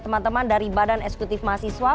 teman teman dari badan eksekutif mahasiswa